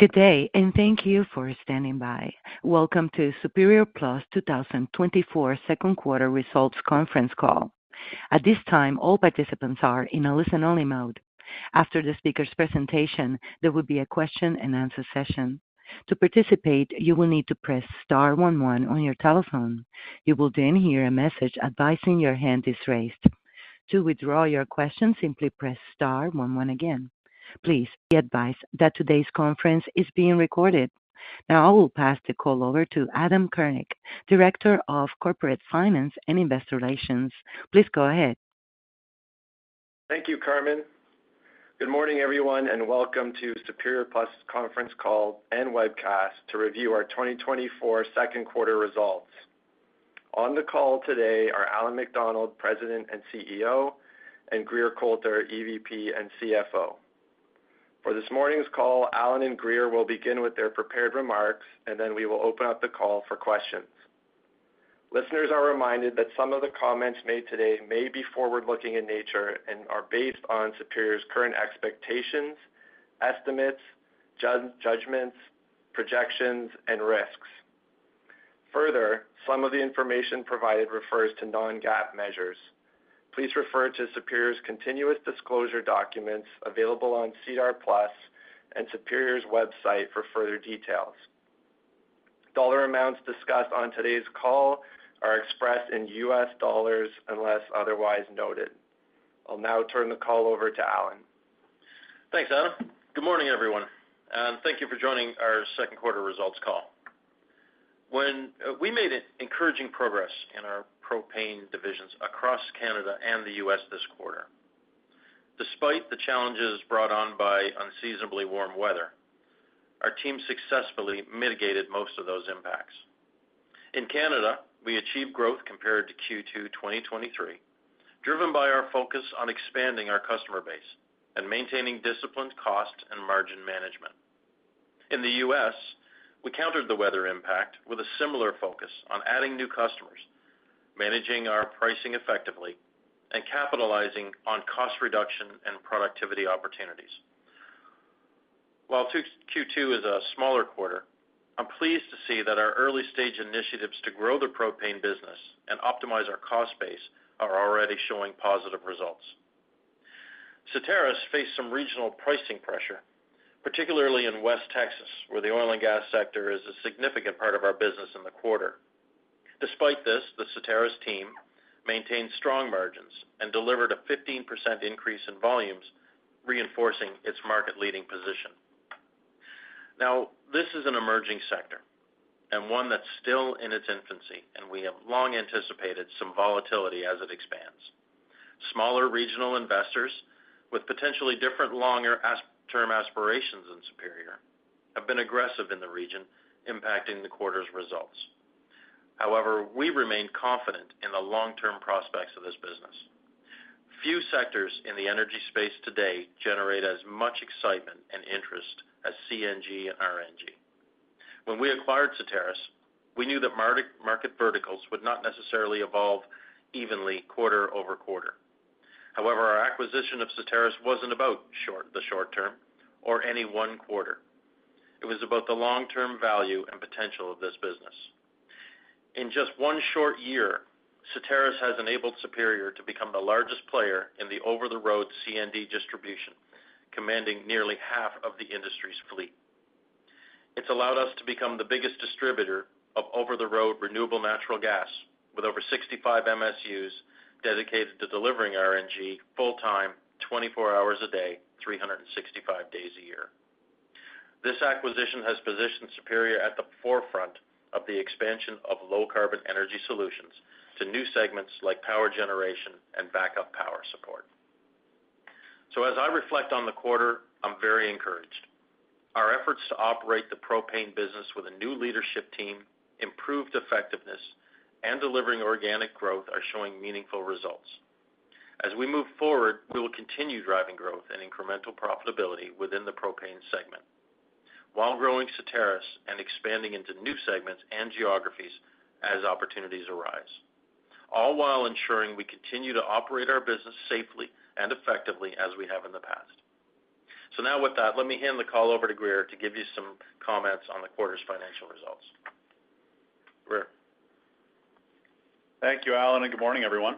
Good day, and thank you for standing by. Welcome to Superior Plus 2024 second quarter results conference call. At this time, all participants are in a listen-only mode. After the speaker's presentation, there will be a question-and-answer session. To participate, you will need to press star one one on your telephone. You will then hear a message advising your hand is raised. To withdraw your question, simply press star one one again. Please be advised that today's conference is being recorded. Now, I will pass the call over to Adam Kurnik, Director of Corporate Finance and Investor Relations. Please go ahead. Thank you, Carmen. Good morning, everyone, and welcome to Superior Plus conference call and webcast to review our 2024 second quarter results. On the call today are Allan MacDonald, President and CEO, and Grier Colter, EVP and CFO. For this morning's call, Allan and Grier will begin with their prepared remarks, and then we will open up the call for questions. Listeners are reminded that some of the comments made today may be forward-looking in nature and are based on Superior's current expectations, estimates, judgments, projections, and risks. Further, some of the information provided refers to non-GAAP measures. Please refer to Superior's continuous disclosure documents available on SEDAR+ and Superior's website for further details. Dollar amounts discussed on today's call are expressed in US dollars, unless otherwise noted. I'll now turn the call over to Allan. Thanks, Adam. Good morning, everyone, and thank you for joining our second quarter results call. We made an encouraging progress in our propane divisions across Canada and the US this quarter. Despite the challenges brought on by unseasonably warm weather, our team successfully mitigated most of those impacts. In Canada, we achieved growth compared to Q2 2023, driven by our focus on expanding our customer base and maintaining disciplined cost and margin management. In the US, we countered the weather impact with a similar focus on adding new customers, managing our pricing effectively, and capitalizing on cost reduction and productivity opportunities. While Q2 is a smaller quarter, I'm pleased to see that our early-stage initiatives to grow the propane business and optimize our cost base are already showing positive results. Certarus faced some regional pricing pressure, particularly in West Texas, where the oil and gas sector is a significant part of our business in the quarter. Despite this, the Certarus team maintained strong margins and delivered a 15% increase in volumes, reinforcing its market-leading position. Now, this is an emerging sector and one that's still in its infancy, and we have long anticipated some volatility as it expands. Smaller regional investors with potentially different, longer-term aspirations than Superior, have been aggressive in the region, impacting the quarter's results. However, we remain confident in the long-term prospects of this business. Few sectors in the energy space today generate as much excitement and interest as CNG and RNG. When we acquired Certarus, we knew that market verticals would not necessarily evolve evenly quarter over quarter. However, our acquisition of Certarus wasn't about the short term or any one quarter. It was about the long-term value and potential of this business. In just one short year, Certarus has enabled Superior to become the largest player in the over-the-road CNG distribution, commanding nearly half of the industry's fleet. It's allowed us to become the biggest distributor of over-the-road renewable natural gas, with over 65 MSUs dedicated to delivering RNG full-time, 24 hours a day, 365 days a year. This acquisition has positioned Superior at the forefront of the expansion of low-carbon energy solutions to new segments like power generation and backup power support. So as I reflect on the quarter, I'm very encouraged. Our efforts to operate the propane business with a new leadership team, improved effectiveness, and delivering organic growth are showing meaningful results. As we move forward, we will continue driving growth and incremental profitability within the propane segment, while growing Certarus and expanding into new segments and geographies as opportunities arise, all while ensuring we continue to operate our business safely and effectively as we have in the past. So now with that, let me hand the call over to Grier to give you some comments on the quarter's financial results. Grier? Thank you, Allan, and good morning, everyone.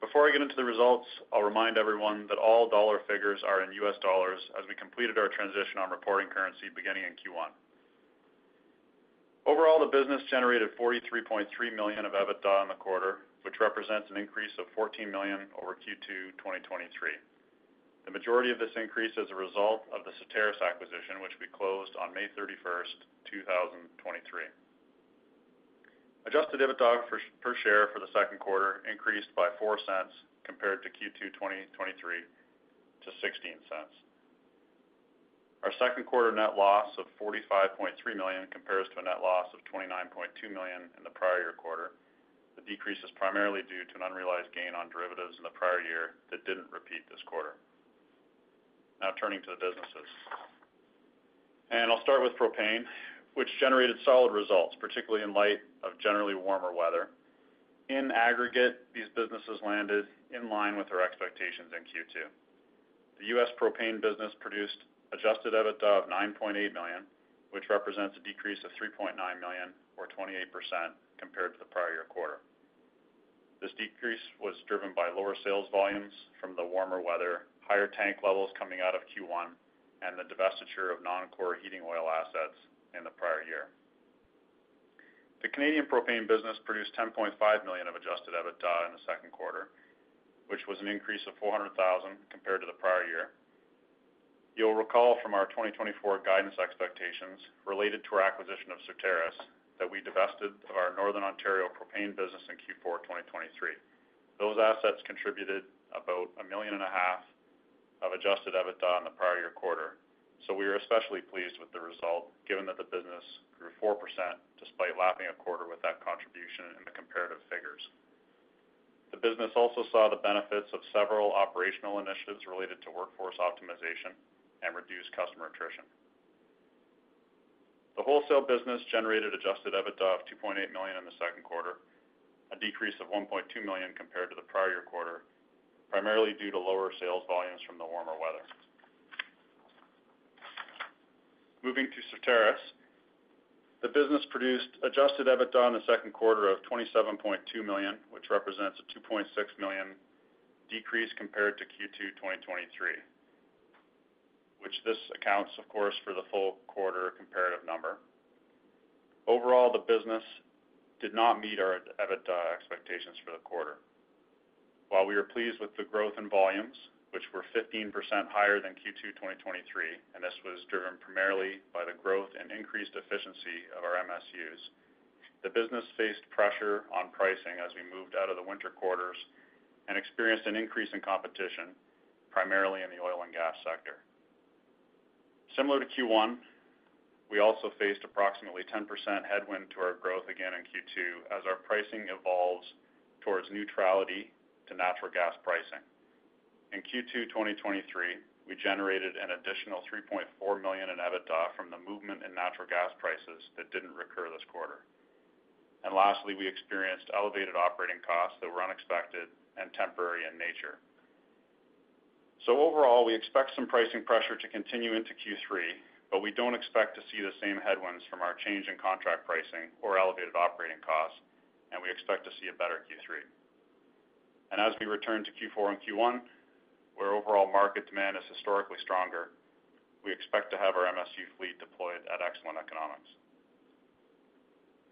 Before I get into the results, I'll remind everyone that all dollar figures are in US dollars as we completed our transition on reporting currency beginning in Q1. Overall, the business generated $43.3 million of EBITDA in the quarter, which represents an increase of $14 million over Q2 2023. The majority of this increase is a result of the Certarus acquisition, which we closed on May 31, 2023. Adjusted EBITDA per share for the second quarter increased by $0.04 compared to Q2 2023 to $0.16. Our second quarter net loss of $45.3 million compares to a net loss of $29.2 million in the prior year quarter. The decrease is primarily due to an unrealized gain on derivatives in the prior year that didn't repeat this quarter. Now, turning to the businesses. I'll start with propane, which generated solid results, particularly in light of generally warmer weather. In aggregate, these businesses landed in line with our expectations in Q2. The US propane business produced adjusted EBITDA of $9.8 million, which represents a decrease of $3.9 million or 28% compared to the prior year quarter. This decrease was driven by lower sales volumes from the warmer weather, higher tank levels coming out of Q1, and the divestiture of non-core heating oil assets in the prior year. The Canadian propane business produced $10.5 million of adjusted EBITDA in the second quarter, which was an increase of $400,000 compared to the prior year. You'll recall from our 2024 guidance expectations related to our acquisition of Certarus, that we divested of our Northern Ontario propane business in Q4 2023. Those assets contributed about $1.5 million of Adjusted EBITDA in the prior year quarter, so we are especially pleased with the result, given that the business grew 4% despite lapping a quarter with that contribution in the comparative figures. The business also saw the benefits of several operational initiatives related to workforce optimization and reduced customer attrition. The wholesale business generated Adjusted EBITDA of $2.8 million in the second quarter, a decrease of $1.2 million compared to the prior year quarter, primarily due to lower sales volumes from the warmer weather. Moving to Certarus. The business produced Adjusted EBITDA in the second quarter of $27.2 million, which represents a $2.6 million decrease compared to Q2 2023, which this accounts, of course, for the full quarter comparative number. Overall, the business did not meet our EBITDA expectations for the quarter. While we were pleased with the growth in volumes, which were 15% higher than Q2 2023, and this was driven primarily by the growth and increased efficiency of our MSUs, the business faced pressure on pricing as we moved out of the winter quarters and experienced an increase in competition, primarily in the oil and gas sector. Similar to Q1, we also faced approximately 10% headwind to our growth again in Q2 as our pricing evolves towards neutrality to natural gas pricing. In Q2 2023, we generated an additional 3.4 million in EBITDA from the movement in natural gas prices that didn't recur this quarter. Lastly, we experienced elevated operating costs that were unexpected and temporary in nature. So overall, we expect some pricing pressure to continue into Q3, but we don't expect to see the same headwinds from our change in contract pricing or elevated operating costs, and we expect to see a better Q3. And as we return to Q4 and Q1, where overall market demand is historically stronger, we expect to have our MSU fleet deployed at excellent economics.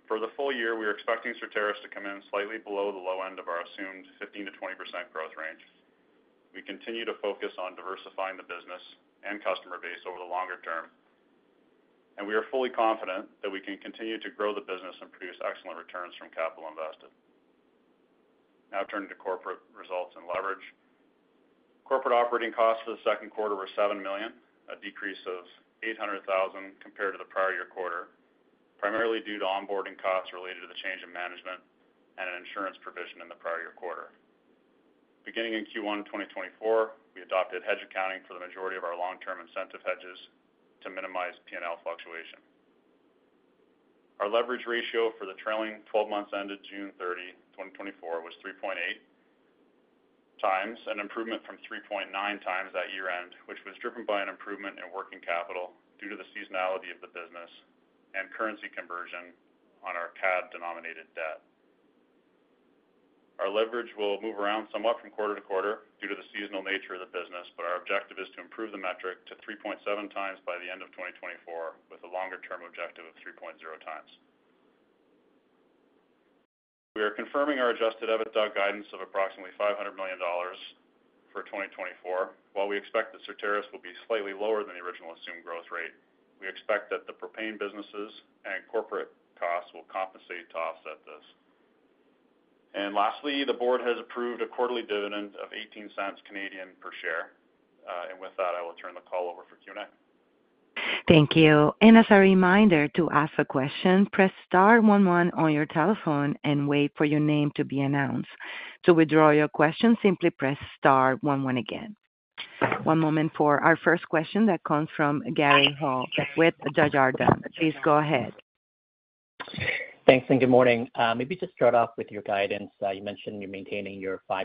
For the full year, we are expecting Certarus to come in slightly below the low end of our assumed 15%-20% growth range. We continue to focus on diversifying the business and customer base over the longer term, and we are fully confident that we can continue to grow the business and produce excellent returns from capital invested. Now turning to corporate results and leverage. Corporate operating costs for the second quarter were $7 million, a decrease of $800,000 compared to the prior year quarter, primarily due to onboarding costs related to the change in management and an insurance provision in the prior year quarter. Beginning in Q1 2024, we adopted hedge accounting for the majority of our long-term incentive hedges to minimize PNL fluctuation. Our leverage ratio for the trailing twelve months ended June 30, 2024, was 3.8 times, an improvement from 3.9 times at year-end, which was driven by an improvement in working capital due to the seasonality of the business and currency conversion on our CAD-denominated debt. Our leverage will move around somewhat from quarter to quarter due to the seasonal nature of the business, but our objective is to improve the metric to 3.7 times by the end of 2024, with a longer-term objective of 3.0 times. We are confirming our Adjusted EBITDA guidance of approximately $500 million for 2024. While we expect that Certarus will be slightly lower than the original assumed growth rate, we expect that the propane businesses and corporate costs will compensate to offset this. Lastly, the board has approved a quarterly dividend of 0.18 per share. And with that, I will turn the call over for Q&A. Thank you. As a reminder to ask a question, press star one one on your telephone and wait for your name to be announced. To withdraw your question, simply press star one one again. One moment for our first question that comes from Gary Ho with Desjardins Capital Markets. Please go ahead. Thanks and good morning. Maybe just start off with your guidance. You mentioned you're maintaining your 5%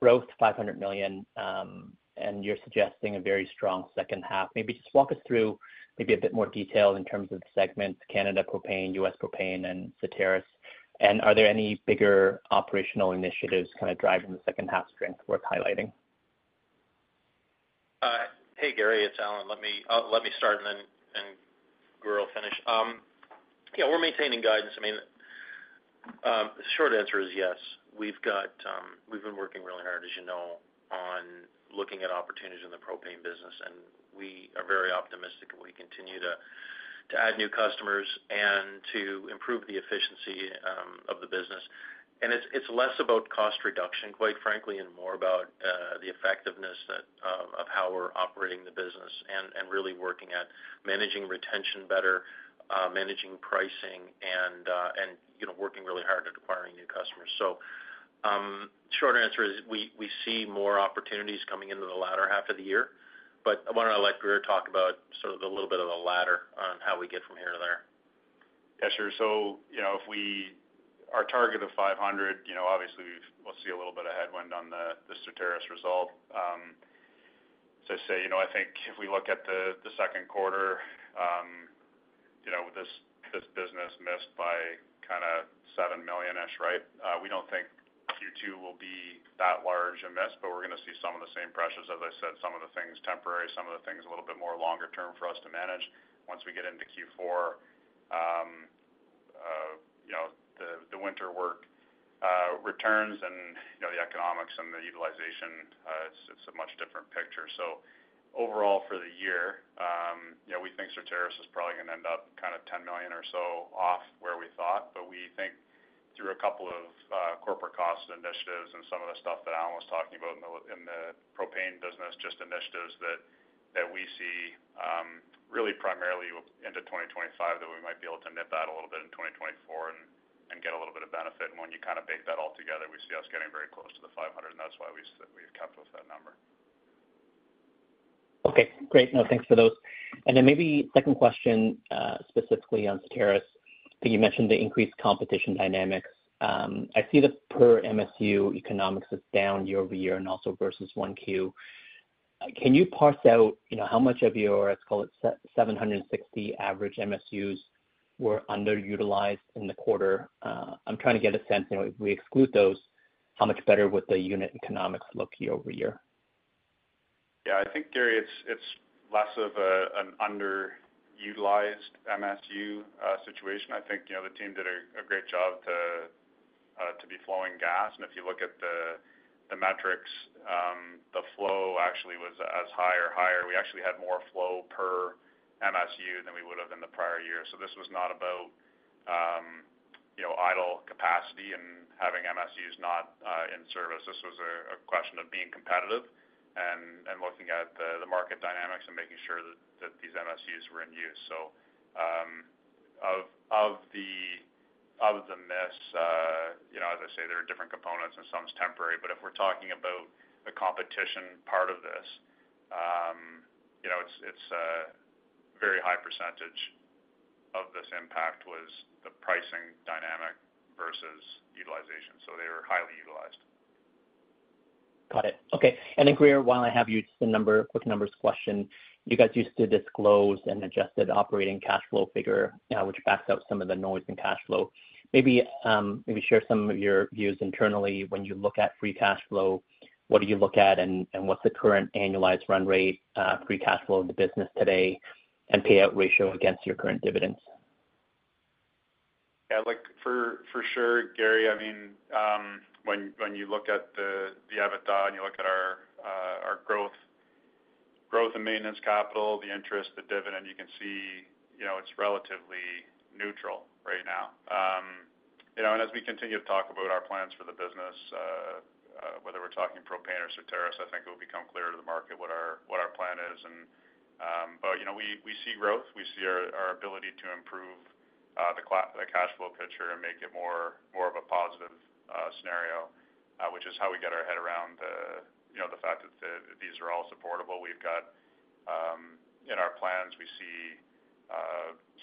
growth, 500 million, and you're suggesting a very strong second half. Maybe just walk us through maybe a bit more detail in terms of the segments, Canada propane, US propane, and Certarus. Are there any bigger operational initiatives kind of driving the second half strength worth highlighting? Hey, Gary, it's Allan. Let me start and then Grier will finish. Yeah, we're maintaining guidance. I mean, short answer is yes. We've been working really hard, as you know, on looking at opportunities in the propane business, and we are very optimistic, and we continue to add new customers and to improve the efficiency of the business. And it's less about cost reduction, quite frankly, and more about the effectiveness of how we're operating the business and really working at managing retention better, managing pricing and, you know, working really hard at acquiring new customers. So, ... Short answer is we see more opportunities coming into the latter half of the year, but I want to let Grier talk about sort of the little bit of the latter on how we get from here to there. Yeah, sure. So, you know, if we our target of $500, you know, obviously, we'll see a little bit of headwind on the Certarus result. So, say, you know, I think if we look at the second quarter, you know, this business missed by kind of $7 million-ish, right? We don't think Q2 will be that large a miss, but we're going to see some of the same pressures. As I said, some of the things temporary, some of the things a little bit more longer term for us to manage. Once we get into Q4, you know, the winter work returns and, you know, the economics and the utilization, it's a much different picture. So overall, for the year, yeah, we think Certarus is probably going to end up kind of 10 million or so off where we thought. But we think through a couple of corporate cost initiatives and some of the stuff that Allan was talking about in the, in the propane business, just initiatives that we see, really primarily into 2025, that we might be able to nip that a little bit in 2024 and get a little bit of benefit. And when you kind of bake that all together, we see us getting very close to the 500, and that's why we, we've kept with that number. Okay, great. No, thanks for those. And then maybe second question, specifically on Certarus. I think you mentioned the increased competition dynamics. I see the per MSU economics is down year-over-year and also versus 1Q. Can you parse out, you know, how much of your, let's call it, seven hundred and sixty average MSUs were underutilized in the quarter? I'm trying to get a sense, you know, if we exclude those, how much better would the unit economics look year-over-year? Yeah, I think, Gary, it's, it's less of an underutilized MSU situation. I think, you know, the team did a great job to be flowing gas. And if you look at the metrics, the flow actually was as high or higher. We actually had more flow per MSU than we would have in the prior year. So this was not about, you know, idle capacity and having MSUs not in service. This was a question of being competitive and looking at the market dynamics and making sure that these MSUs were in use. So, of the miss, you know, as I say, there are different components and some is temporary. But if we're talking about the competition part of this, you know, it's a very high percentage of this impact was the pricing dynamic versus utilization, so they were highly utilized. Got it. Okay. And then, Grier, while I have you, just a number, quick numbers question. You guys used to disclose an adjusted operating cash flow figure, which backs out some of the noise in cash flow. Maybe, maybe share some of your views internally when you look at free cash flow, what do you look at, and, and what's the current annualized run rate, free cash flow of the business today, and payout ratio against your current dividends? Yeah, look, for sure, Gary, I mean, when you look at the EBITDA, and you look at our growth and maintenance capital, the interest, the dividend, you can see, you know, it's relatively neutral right now. You know, and as we continue to talk about our plans for the business, whether we're talking propane or Certarus, I think it will become clearer to the market what our plan is and... But, you know, we see growth, we see our ability to improve the cash flow picture and make it more of a positive scenario, which is how we get our head around the, you know, the fact that these are all supportable. We've got, in our plans, we see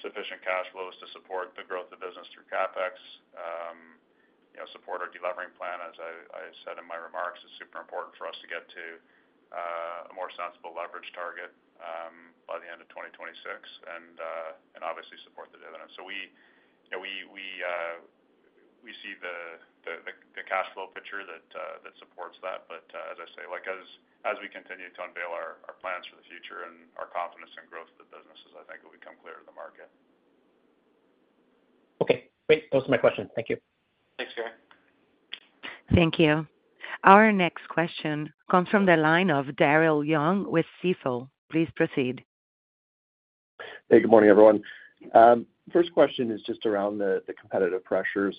sufficient cash flows to support the growth of business through CapEx, you know, support our deleveraging plan. As I said in my remarks, it's super important for us to get to a more sensible leverage target by the end of 2026 and obviously support the dividend. So we, you know, we see the cash flow picture that supports that. But as I say, like, as we continue to unveil our plans for the future and our confidence in growth of the businesses, I think it'll become clear to the market. Okay, great. Those are my questions. Thank you. Thanks, Gary. Thank you. Our next question comes from the line of Daryl Young with Stifel. Please proceed. Hey, good morning, everyone. First question is just around the competitive pressures.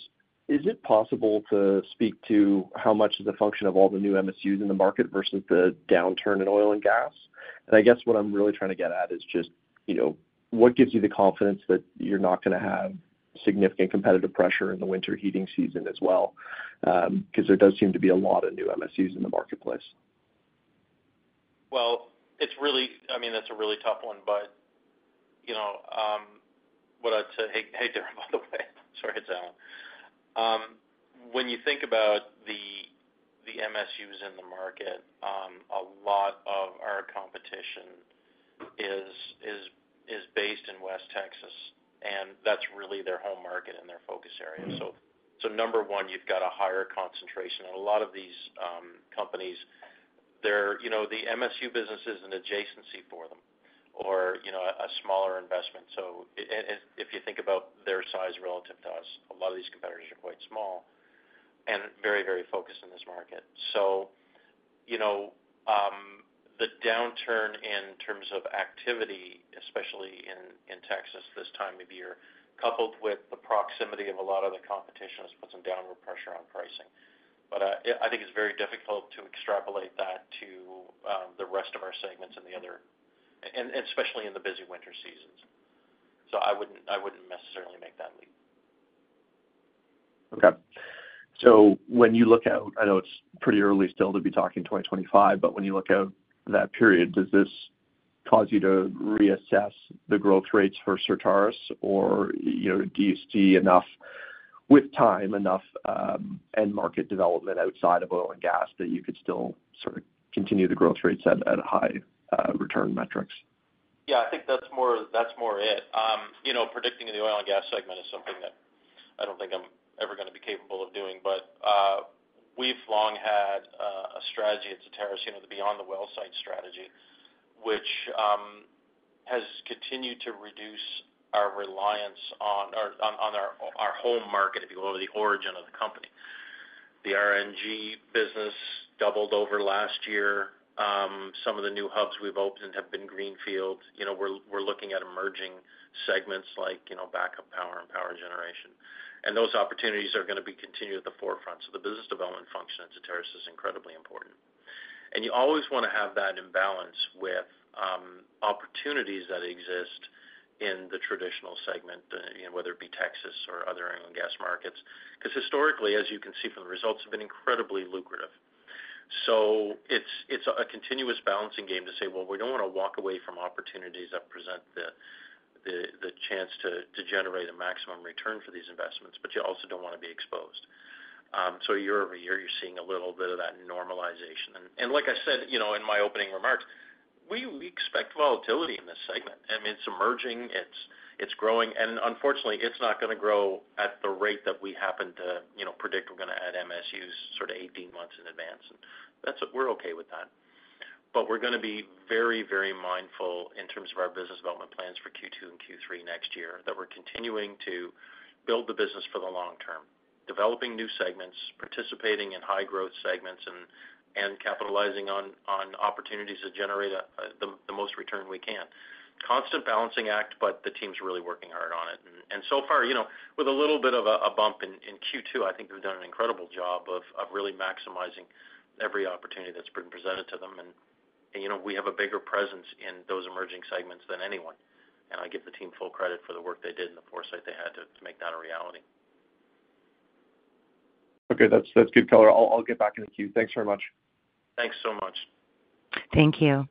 Is it possible to speak to how much of the function of all the new MSUs in the market versus the downturn in oil and gas? And I guess what I'm really trying to get at is just, you know, what gives you the confidence that you're not going to have significant competitive pressure in the winter heating season as well? Because there does seem to be a lot of new MSUs in the marketplace. Well, it's really... I mean, that's a really tough one. But, you know, what I'd say- Hey, Daryl, by the way, sorry, it's Allan. When you think about the MSUs in the market, a lot of our competition is based in West Texas, and that's really their home market and their focus area. So, number one, you've got a higher concentration. And a lot of these companies, they're, you know, the MSU business is an adjacency for them or, you know, a smaller investment. So if you think about their size relative to us, a lot of these competitors are quite small and very, very focused in this market. So, you know, the downturn in terms of activity, especially in Texas this time of year, coupled with the proximity of a lot of the competition, has put some downward pressure on pricing. But, I think it's very difficult to extrapolate that to the rest of our segments and the other. And especially in the busy winter seasons. So I wouldn't necessarily make that leap. Okay. So when you look out, I know it's pretty early still to be talking 2025, but when you look out that period, does this cause you to reassess the growth rates for Certarus or, you know, do you see enough, with time, enough, end market development outside of oil and gas that you could still sort of continue the growth rates at high return metrics? Yeah, I think that's more, that's more it. You know, predicting the oil and gas segment is something that I don't think I'm ever gonna be capable of doing. But, we've long had a strategy at Certarus, you know, the beyond the well site strategy, which has continued to reduce our reliance on our home market, if you will, the origin of the company. The RNG business doubled over last year. Some of the new hubs we've opened have been greenfields. You know, we're looking at emerging segments like, you know, backup power and power generation. And those opportunities are gonna be continued at the forefront. So the business development function at Certarus is incredibly important. And you always want to have that in balance with opportunities that exist in the traditional segment, you know, whether it be Texas or other oil and gas markets. Because historically, as you can see from the results, have been incredibly lucrative. So it's a continuous balancing game to say, well, we don't want to walk away from opportunities that present the chance to generate a maximum return for these investments, but you also don't want to be exposed. So year-over-year, you're seeing a little bit of that normalization. And like I said, you know, in my opening remarks, we expect volatility in this segment. I mean, it's emerging, it's growing, and unfortunately, it's not gonna grow at the rate that we happen to, you know, predict we're gonna add MSUs sort of 18 months in advance. And that's, we're okay with that. But we're gonna be very, very mindful in terms of our business development plans for Q2 and Q3 next year, that we're continuing to build the business for the long term, developing new segments, participating in high growth segments and capitalizing on opportunities that generate the most return we can. Constant balancing act, but the team's really working hard on it. And so far, you know, with a little bit of a bump in Q2, I think they've done an incredible job of really maximizing every opportunity that's been presented to them. And, you know, we have a bigger presence in those emerging segments than anyone, and I give the team full credit for the work they did and the foresight they had to make that a reality. Okay, that's good color. I'll get back in the queue. Thanks very much. Thanks so much. Thank you.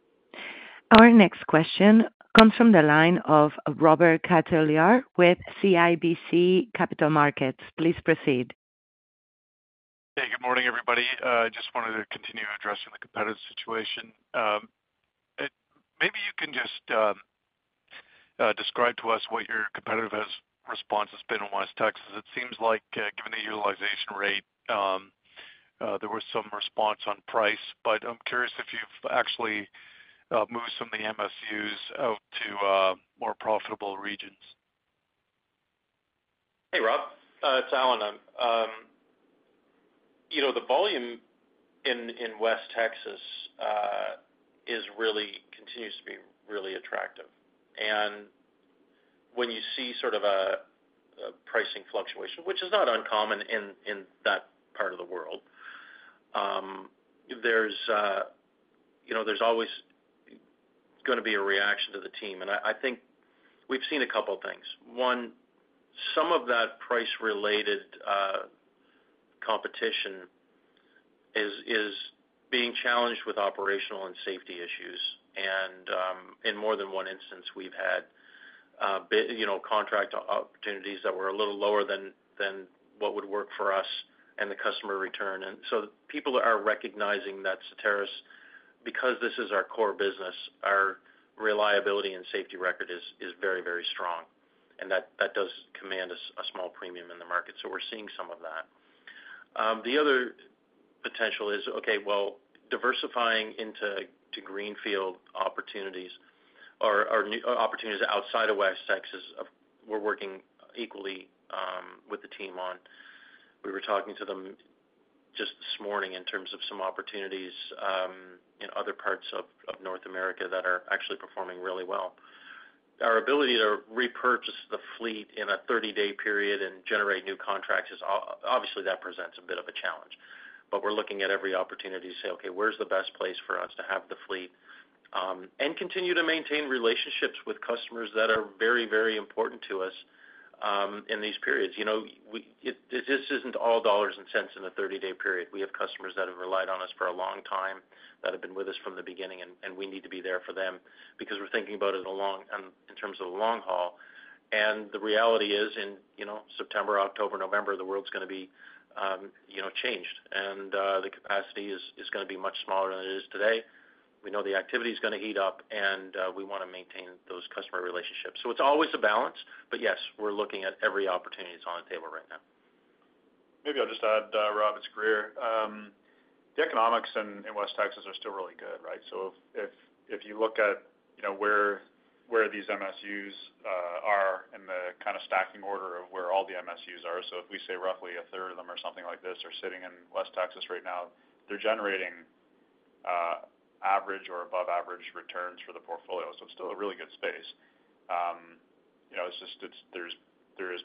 Our next question comes from the line of Robert Catellier with CIBC Capital Markets. Please proceed. Hey, good morning, everybody. I just wanted to continue addressing the competitive situation. Maybe you can just describe to us what your competitive response has been in West Texas. It seems like, given the utilization rate, there was some response on price, but I'm curious if you've actually moved some of the MSUs out to more profitable regions. Hey, Rob, it's Allan. You know, the volume in West Texas is really-- continues to be really attractive. And when you see sort of a pricing fluctuation, which is not uncommon in that part of the world, you know, there's always gonna be a reaction to the team. And I think we've seen a couple of things. One, some of that price-related competition is being challenged with operational and safety issues. And in more than one instance, we've had bi- you know, contract opportunities that were a little lower than what would work for us and the customer return. And so people are recognizing that Certarus, because this is our core business, our reliability and safety record is very, very strong, and that does command a small premium in the market. So we're seeing some of that. The other potential is, okay, well, diversifying into greenfield opportunities or new opportunities outside of West Texas or we're working equally with the team on. We were talking to them just this morning in terms of some opportunities in other parts of North America that are actually performing really well. Our ability to repurchase the fleet in a 30-day period and generate new contracts is obviously, that presents a bit of a challenge, but we're looking at every opportunity to say, okay, where's the best place for us to have the fleet and continue to maintain relationships with customers that are very, very important to us in these periods? You know, this, this isn't all dollars and cents in a 30-day period. We have customers that have relied on us for a long time, that have been with us from the beginning, and we need to be there for them because we're thinking about it along in terms of the long haul. The reality is in, you know, September, October, November, the world's gonna be, you know, changed. The capacity is gonna be much smaller than it is today. We know the activity is gonna heat up, and we want to maintain those customer relationships. So it's always a balance, but yes, we're looking at every opportunity that's on the table right now. Maybe I'll just add, Rob, it's Grier. The economics in West Texas are still really good, right? So if you look at, you know, where these MSUs are in the kind of stacking order of where all the MSUs are, so if we say roughly a third of them or something like this are sitting in West Texas right now, they're generating average or above average returns for the portfolio. So it's still a really good space. You know, it's just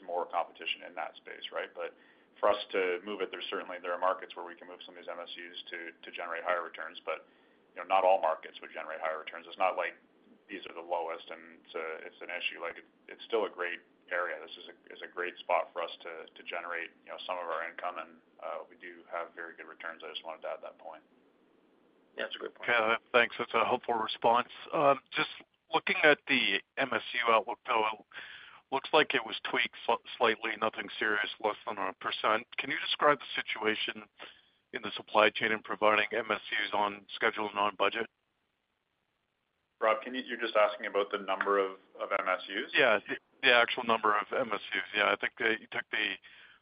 more competition in that space, right? But for us to move it, there are certainly markets where we can move some of these MSUs to generate higher returns, but you know, not all markets would generate higher returns. It's not like these are the lowest, and it's an issue. Like, it's still a great area. This is a great spot for us to generate, you know, some of our income, and we do have very good returns. I just wanted to add that point. Yeah, that's a good point. Okay, thanks. That's a helpful response. Just looking at the MSU outlook table, looks like it was tweaked slightly, nothing serious, less than 1%. Can you describe the situation in the supply chain in providing MSUs on schedules and on budget? Rob, can you-- you're just asking about the number of, of MSUs? Yeah, the actual number of MSUs. Yeah, I think that you took the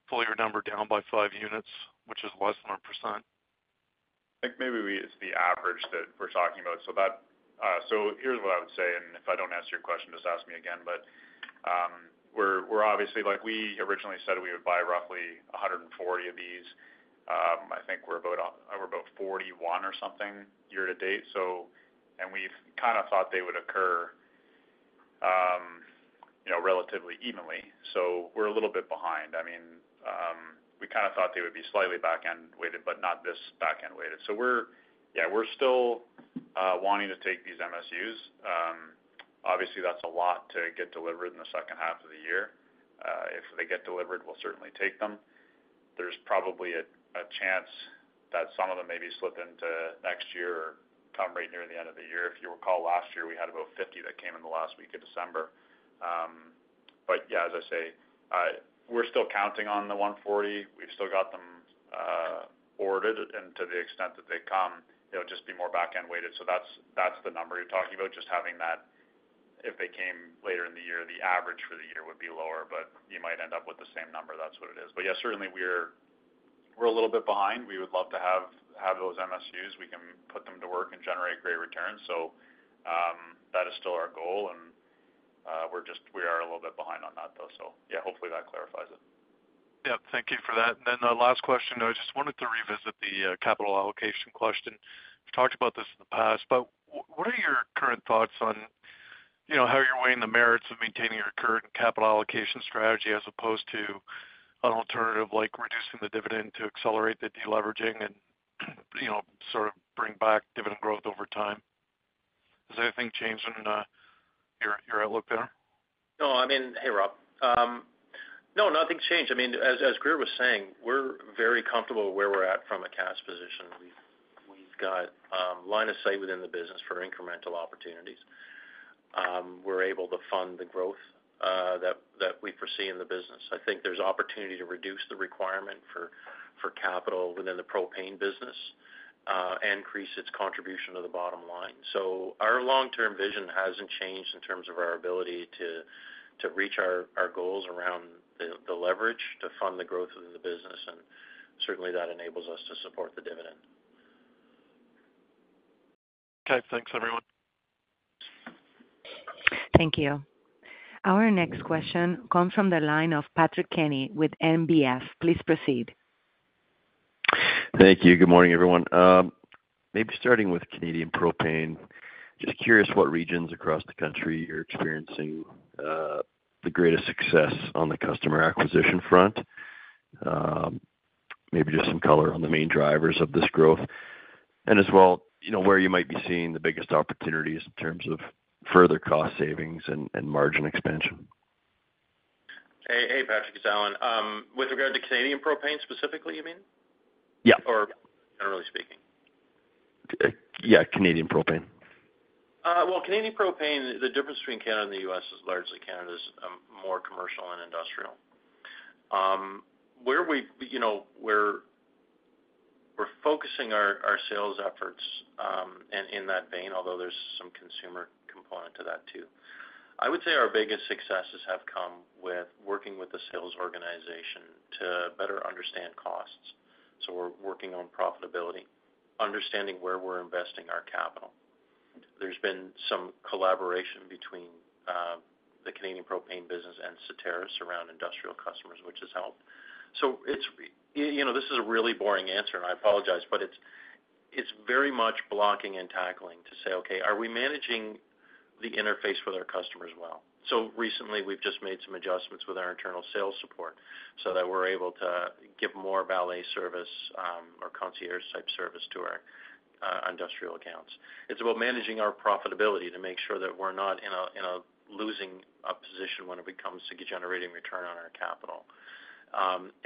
full-year number down by 5 units, which is less than 1%. I think maybe we—it's the average that we're talking about. So that... So here's what I would say, and if I don't answer your question, just ask me again. But, we're, we're obviously, like we originally said, we would buy roughly 140 of these. I think we're about on—we're about 41 or something year to date, so—And we've kind of thought they would occur, you know, relatively evenly. So we're a little bit behind. I mean, we kind of thought they would be slightly back-end weighted, but not this back-end weighted. So we're, yeah, we're still wanting to take these MSUs. Obviously, that's a lot to get delivered in the second half of the year. If they get delivered, we'll certainly take them. There's probably a chance that some of them may be slipped into next year or come right near the end of the year. If you recall, last year, we had about 50 that came in the last week of December. But yeah, as I say, we're still counting on the 140. We've still got them ordered, and to the extent that they come, it'll just be more back-end weighted. So that's the number you're talking about, just having that. If they came later in the year, the average for the year would be lower, but you might end up with the same number. That's what it is. But yeah, certainly, we're a little bit behind. We would love to have those MSUs. We can put them to work and generate great returns. So, that is still our goal, and we're just a little bit behind on that, though. So yeah, hopefully, that clarifies it. Yeah, thank you for that. And then the last question, I just wanted to revisit the capital allocation question. We've talked about this in the past, but what are your current thoughts on, you know, how you're weighing the merits of maintaining your current capital allocation strategy as opposed to an alternative, like reducing the dividend to accelerate the deleveraging and, you know, sort of bring back dividend growth over time? Has anything changed in your outlook, Peter? No, I mean... Hey, Rob. No, nothing's changed. I mean, as Grier was saying, we're very comfortable where we're at from a cash position. We've got line of sight within the business for incremental opportunities. We're able to fund the growth that we foresee in the business. I think there's opportunity to reduce the requirement for capital within the propane business and increase its contribution to the bottom line. So our long-term vision hasn't changed in terms of our ability to reach our goals around the leverage, to fund the growth of the business, and certainly that enables us to support the dividend. Okay, thanks, everyone. Thank you. Our next question comes from the line of Patrick Kenny with National Bank Financial. Please proceed. Thank you. Good morning, everyone. Maybe starting with Canadian propane, just curious what regions across the country you're experiencing the greatest success on the customer acquisition front? Maybe just some color on the main drivers of this growth. As well, you know, where you might be seeing the biggest opportunities in terms of further cost savings and, and margin expansion. Hey, hey, Patrick, it's Allan. With regard to Canadian propane, specifically, you mean? Yeah. Or generally speaking? Yeah, Canadian propane. Well, Canadian propane, the difference between Canada and the U.S. is largely Canada's more commercial and industrial. Where we, you know, we're focusing our sales efforts, and in that vein, although there's some consumer component to that, too. I would say our biggest successes have come with working with the sales organization to better understand costs. So we're working on profitability, understanding where we're investing our capital. There's been some collaboration between the Canadian propane business and Certarus around industrial customers, which has helped. So it's. You know, this is a really boring answer, and I apologize, but it's very much blocking and tackling to say, okay, are we managing the interface with our customers well? So recently, we've just made some adjustments with our internal sales support so that we're able to give more valet service, or concierge-type service to our industrial accounts. It's about managing our profitability to make sure that we're not in a losing position when it comes to generating return on our capital.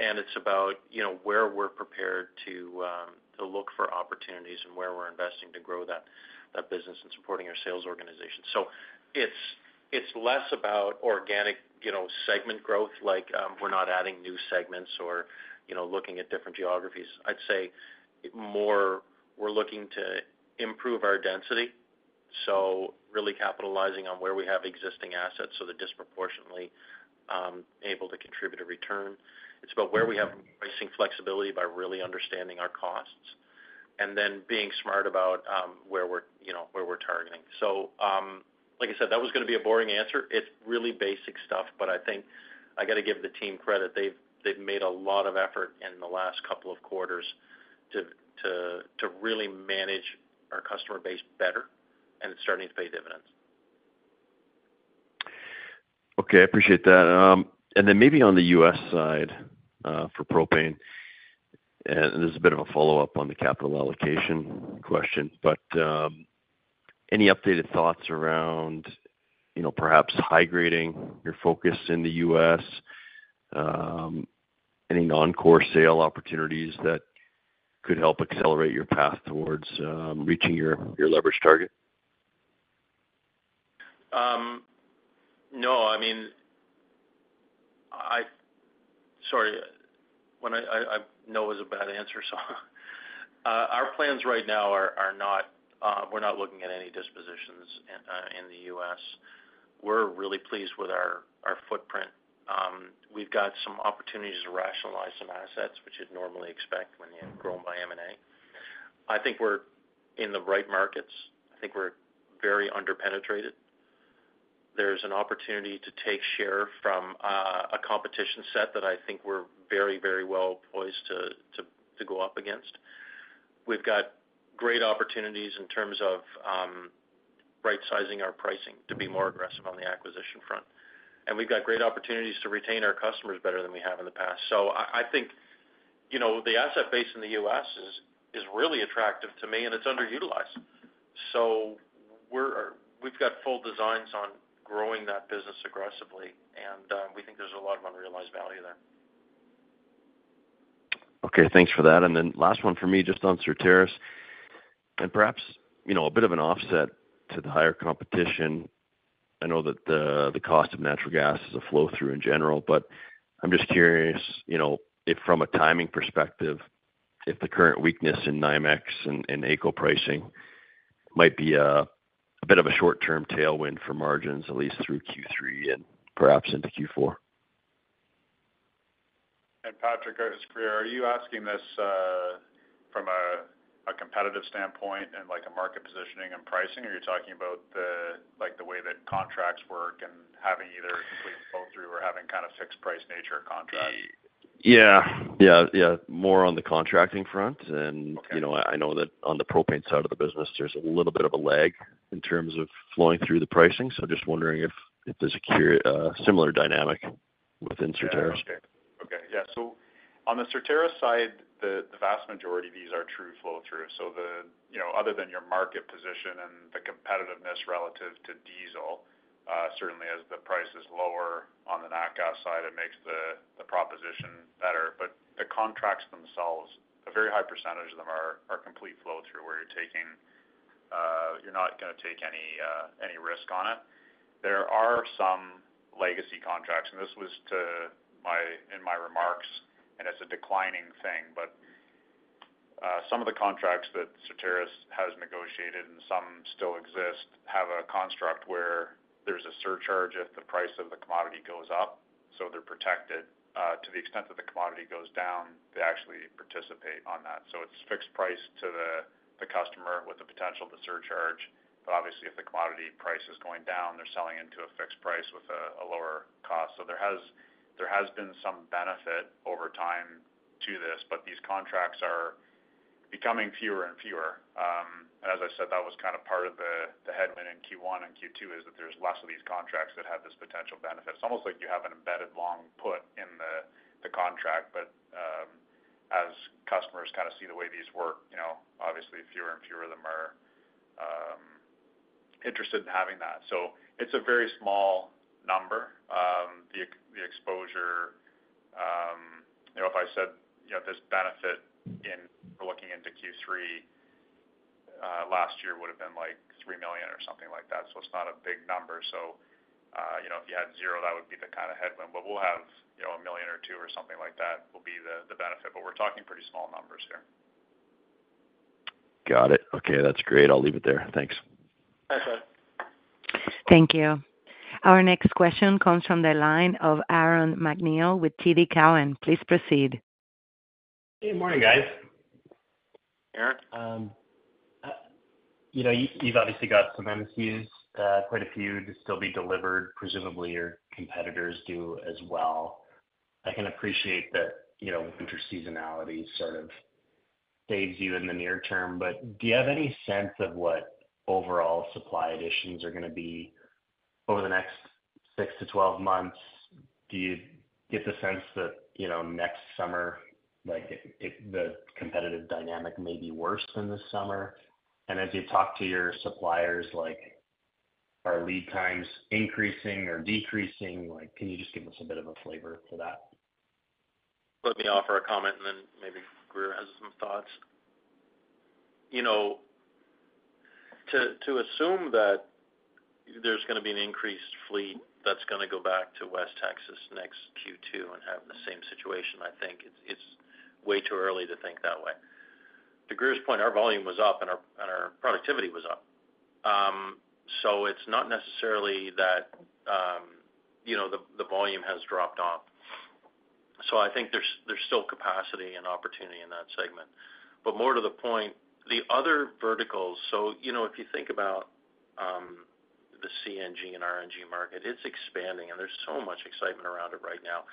And it's about, you know, where we're prepared to look for opportunities and where we're investing to grow that business and supporting our sales organization. So it's less about organic, you know, segment growth, like we're not adding new segments or, you know, looking at different geographies. I'd say more we're looking to improve our density, so really capitalizing on where we have existing assets so they're disproportionately able to contribute a return. It's about where we have pricing flexibility by really understanding our costs, and then being smart about, you know, where we're targeting. So, like I said, that was gonna be a boring answer. It's really basic stuff, but I think I got to give the team credit. They've made a lot of effort in the last couple of quarters to-... really manage our customer base better, and it's starting to pay dividends. Okay, I appreciate that. And then maybe on the U.S. side, for propane, and this is a bit of a follow-up on the capital allocation question, but, any updated thoughts around, you know, perhaps high grading your focus in the U.S.? Any non-core sale opportunities that could help accelerate your path towards, reaching your leverage target? No, I mean, sorry, when I know is a bad answer, so, our plans right now are not, we're not looking at any dispositions in the U.S. We're really pleased with our footprint. We've got some opportunities to rationalize some assets, which you'd normally expect when you grow by M&A. I think we're in the right markets. I think we're very underpenetrated. There's an opportunity to take share from a competition set that I think we're very, very well poised to go up against. We've got great opportunities in terms of right-sizing our pricing to be more aggressive on the acquisition front. And we've got great opportunities to retain our customers better than we have in the past. So I think, you know, the asset base in the U.S. is really attractive to me, and it's underutilized. So we've got full designs on growing that business aggressively, and we think there's a lot of unrealized value there. Okay, thanks for that. And then last one for me, just on Certarus, and perhaps, you know, a bit of an offset to the higher competition. I know that the, the cost of natural gas is a flow-through in general, but I'm just curious, you know, if from a timing perspective, if the current weakness in NYMEX and, and AECO pricing might be a, a bit of a short-term tailwind for margins, at least through Q3 and perhaps into Q4. Patrick, is Grier, are you asking this from a competitive standpoint and like a market positioning and pricing, or are you talking about, like, the way that contracts work and having either complete flow-through or having kind of fixed price nature of contracts? Yeah. Yeah, yeah, more on the contracting front. Okay. You know, I know that on the propane side of the business, there's a little bit of a lag in terms of flowing through the pricing, so just wondering if there's a clear similar dynamic within Certarus. Yeah. Okay. Okay, yeah. So on the Certarus side, the vast majority of these are true flow-through. So the, you know, other than your market position and the competitiveness relative to diesel, certainly as the price is lower on the nat gas side, it makes the proposition better. But the contracts themselves, a very high percentage of them are complete flow-through, where you're taking, you're not gonna take any risk on it. There are some legacy contracts, and this was in my remarks, and it's a declining thing. But, some of the contracts that Certarus has negotiated, and some still exist, have a construct where there's a surcharge if the price of the commodity goes up, so they're protected. To the extent that the commodity goes down, they actually participate on that. So it's fixed price to the customer with the potential to surcharge. But obviously, if the commodity price is going down, they're selling into a fixed price with a lower cost. So there has been some benefit over time to this, but these contracts are becoming fewer and fewer. And as I said, that was kind of part of the headwind in Q1 and Q2, is that there's less of these contracts that have this potential benefit. It's almost like you have an embedded long put in the contract. But, as customers kind of see the way these work, you know, obviously fewer and fewer of them are interested in having that. So it's a very small number. The exposure, you know, if I said, you know, this benefit in looking into Q3 last year would have been like 3 million or something like that, so it's not a big number. So, you know, if you had zero, that would be the kind of headwind, but we'll have, you know, 1 million or 2 million or something like that will be the benefit. But we're talking pretty small numbers here. Got it. Okay, that's great. I'll leave it there. Thanks. Thanks, bud. Thank you. Our next question comes from the line of Aaron MacNeil with TD Cowen. Please proceed. Good morning, guys. Aaron. You know, you, you've obviously got some MSUs, quite a few to still be delivered. Presumably, your competitors do as well. I can appreciate that, you know, winter seasonality sort of saves you in the near term, but do you have any sense of what overall supply additions are gonna be over the next 6-12 months? Do you get the sense that, you know, next summer, like, if the competitive dynamic may be worse than this summer? And as you talk to your suppliers, like, are lead times increasing or decreasing? Like, can you just give us a bit of a flavor to that? Let me offer a comment, and then maybe Grier has some thoughts. You know, to assume that there's gonna be an increased fleet that's gonna go back to West Texas next Q2 and have the same situation, I think it's way too early to think that way. To Grier's point, our volume was up and our productivity was up. So it's not necessarily that, you know, the volume has dropped off. So I think there's still capacity and opportunity in that segment. But more to the point, the other verticals—so, you know, if you think about—... CNG and RNG market, it's expanding, and there's so much excitement around it right now.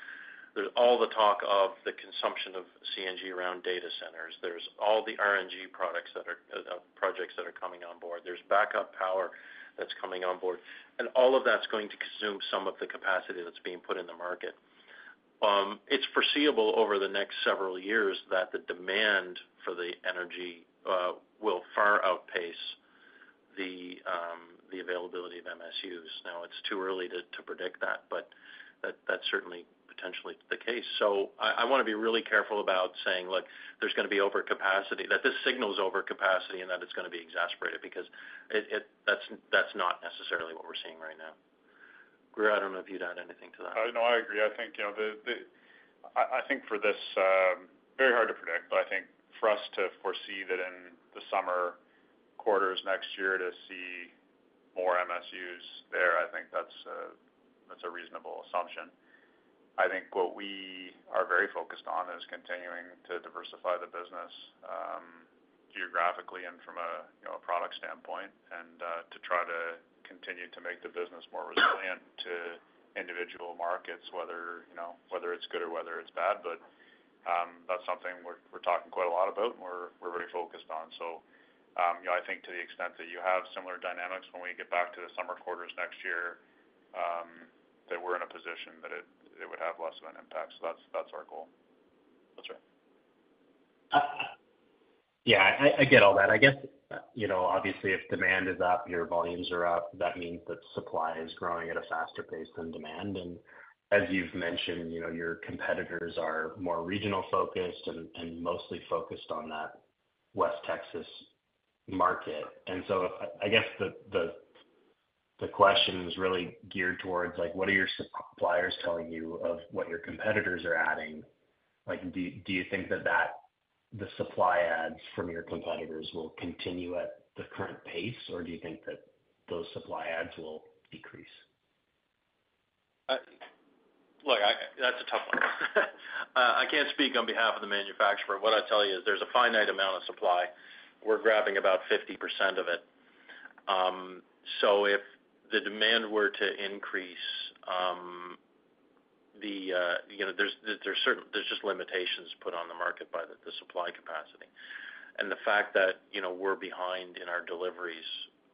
There's all the talk of the consumption of CNG around data centers. There's all the RNG products that are projects that are coming on board. There's backup power that's coming on board, and all of that's going to consume some of the capacity that's being put in the market. It's foreseeable over the next several years that the demand for the energy will far outpace the availability of MSUs. Now, it's too early to predict that, but that's certainly potentially the case. So I wanna be really careful about saying, look, there's gonna be overcapacity, that this signal is overcapacity and that it's gonna be exasperated because it-- that's not necessarily what we're seeing right now. Grier, I don't know if you'd add anything to that. No, I agree. I think, you know, I think for this very hard to predict, but I think for us to foresee that in the summer quarters next year, to see more MSUs there, I think that's a reasonable assumption. I think what we are very focused on is continuing to diversify the business, geographically and from a, you know, product standpoint, and to try to continue to make the business more resilient to individual markets, whether, you know, whether it's good or whether it's bad. But that's something we're talking quite a lot about, and we're very focused on. So, you know, I think to the extent that you have similar dynamics when we get back to the summer quarters next year, that we're in a position that it would have less of an impact. So that's our goal. That's right. Yeah, I get all that. I guess, you know, obviously, if demand is up, your volumes are up, that means that supply is growing at a faster pace than demand. And as you've mentioned, you know, your competitors are more regional-focused and mostly focused on that West Texas market. And so I guess the question is really geared towards, like, what are your suppliers telling you of what your competitors are adding? Like, do you think that the supply adds from your competitors will continue at the current pace, or do you think that those supply adds will decrease? Look, I-- that's a tough one. I can't speak on behalf of the manufacturer. What I'd tell you is there's a finite amount of supply. We're grabbing about 50% of it. So if the demand were to increase, the, you know, there's, there's certain-- there's just limitations put on the market by the, the supply capacity. And the fact that, you know, we're behind in our deliveries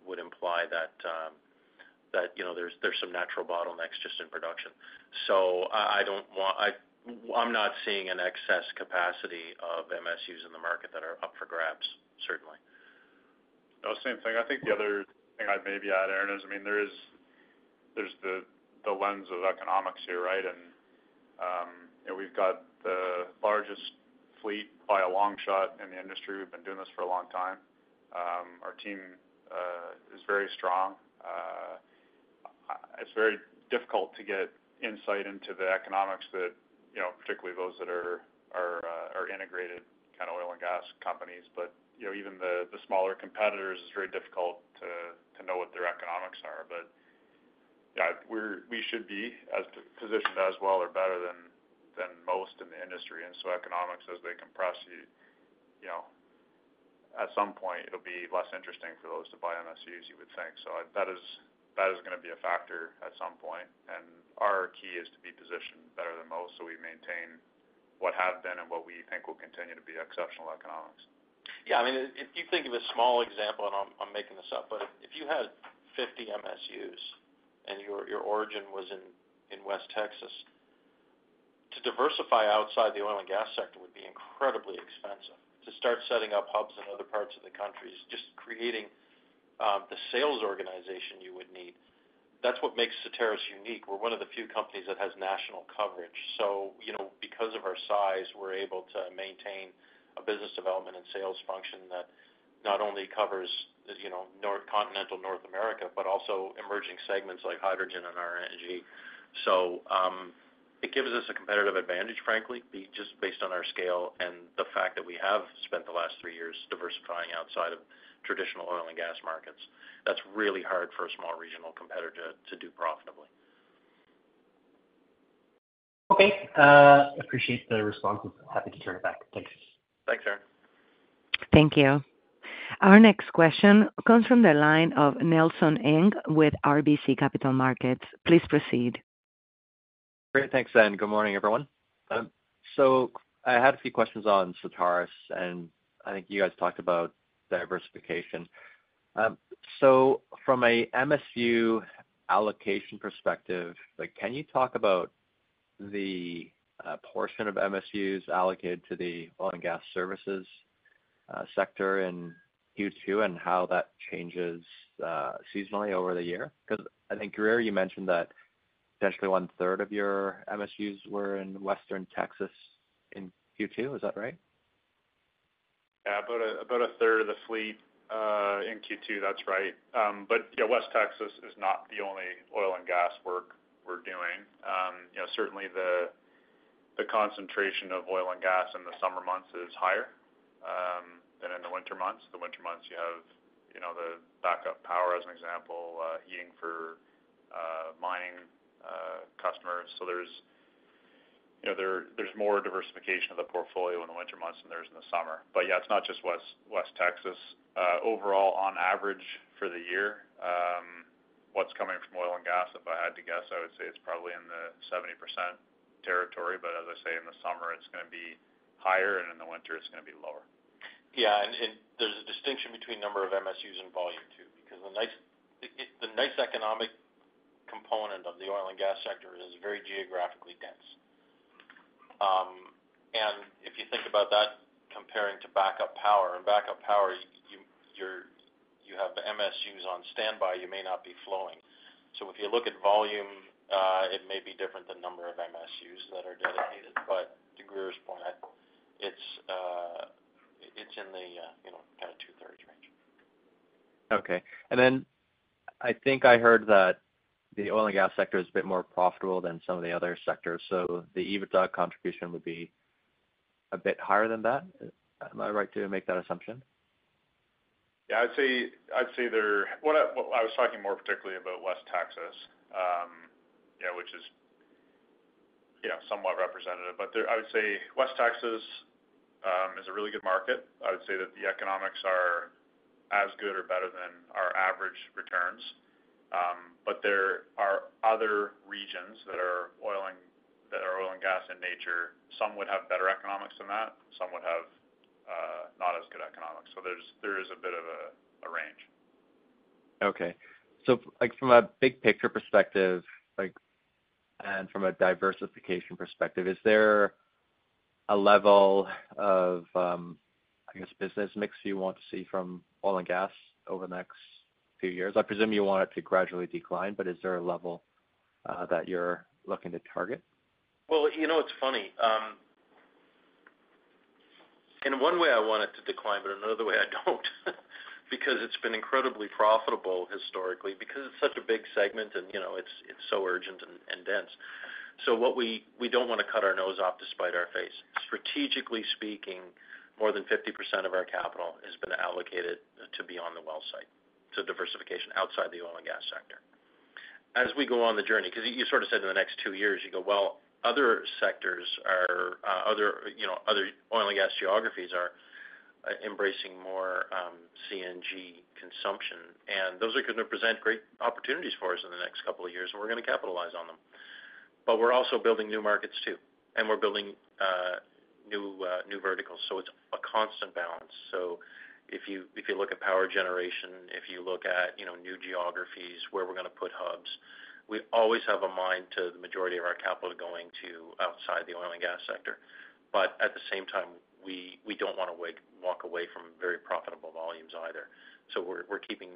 would imply that, that, you know, there's, there's some natural bottlenecks just in production. So I, I don't want-- I, I'm not seeing an excess capacity of MSUs in the market that are up for grabs, certainly. No, same thing. I think the other thing I'd maybe add, Aaron, is, I mean, there is, there's the lens of economics here, right? And, you know, we've got the largest fleet by a long shot in the industry. We've been doing this for a long time. Our team is very strong. It's very difficult to get insight into the economics that, you know, particularly those that are integrated kind of oil and gas companies. But, you know, even the smaller competitors, it's very difficult to know what their economics are. But, yeah, we're, we should be as positioned as well or better than most in the industry. And so economics, as they compress, you know, at some point it'll be less interesting for those to buy MSUs, you would think. So that is gonna be a factor at some point, and our key is to be positioned better than most, so we maintain what have been and what we think will continue to be exceptional economics. Yeah, I mean, if you think of a small example, and I'm making this up, but if you had 50 MSUs and your origin was in West Texas, to diversify outside the oil and gas sector would be incredibly expensive. To start setting up hubs in other parts of the country is just creating the sales organization you would need. That's what makes Certarus unique. We're one of the few companies that has national coverage. So, you know, because of our size, we're able to maintain a business development and sales function that not only covers, as you know, continental North America, but also emerging segments like hydrogen and RNG. So, it gives us a competitive advantage, frankly, just based on our scale and the fact that we have spent the last three years diversifying outside of traditional oil and gas markets. That's really hard for a small regional competitor to do profitably. Okay, appreciate the response. Happy to turn it back. Thanks. Thanks, Aaron. Thank you. Our next question comes from the line of Nelson Ng with RBC Capital Markets. Please proceed. Great. Thanks, and good morning, everyone. So I had a few questions on Certarus, and I think you guys talked about diversification. So from a MSU allocation perspective, like, can you talk about the portion of MSUs allocated to the oil and gas services sector in Q2 and how that changes seasonally over the year? Because I think, Grier, you mentioned that potentially one-third of your MSUs were in West Texas in Q2. Is that right? Yeah, about a third of the fleet in Q2. That's right. But yeah, West Texas is not the only oil and gas work we're doing. You know, certainly the concentration of oil and gas in the summer months is higher than in the winter months. The winter months, you have, you know, the backup power, as an example, heating for mining. So there's, you know, there, there's more diversification of the portfolio in the winter months than there is in the summer. But yeah, it's not just West Texas. Overall, on average, for the year, what's coming from oil and gas, if I had to guess, I would say it's probably in the 70% territory, but in the summer, it's gonna be higher, and in the winter, it's gonna be lower. Yeah, and there's a distinction between number of MSUs and volume, too, because the nice economic component of the oil and gas sector is very geographically dense. And if you think about that comparing to backup power, in backup power, you have the MSUs on standby, you may not be flowing. So if you look at volume, it may be different than number of MSUs that are dedicated. But to Grier's point, it's in the, you know, kind of two-thirds range. Okay. And then I think I heard that the oil and gas sector is a bit more profitable than some of the other sectors, so the EBITDA contribution would be a bit higher than that? Am I right to make that assumption? Yeah, I'd say, I'd say they're what I was talking more particularly about West Texas. Yeah, which is, you know, somewhat representative. But I would say West Texas is a really good market. I would say that the economics are as good or better than our average returns. But there are other regions that are oil and gas in nature. Some would have better economics than that, some would have not as good economics. So there is a bit of a range. Okay. So like from a big picture perspective, like, and from a diversification perspective, is there a level of, I guess, business mix you want to see from oil and gas over the next few years? I presume you want it to gradually decline, but is there a level, that you're looking to target? Well, you know, it's funny. In one way, I want it to decline, but another way I don't. Because it's been incredibly profitable historically, because it's such a big segment and, you know, it's, it's so urgent and, and dense. So what we-- we don't want to cut our nose off despite our face. Strategically speaking, more than 50% of our capital has been allocated to be on the well site, to diversification outside the oil and gas sector. As we go on the journey, because you, you sort of said in the next two years, you go, well, other sectors are, other, you know, other oil and gas geographies are, embracing more, CNG consumption, and those are gonna present great opportunities for us in the next couple of years, and we're gonna capitalize on them. But we're also building new markets, too, and we're building new verticals, so it's a constant balance. So if you look at power generation, if you look at, you know, new geographies, where we're gonna put hubs, we always have a mind to the majority of our capital going to outside the oil and gas sector. But at the same time, we don't want to walk away from very profitable volumes either. So we're keeping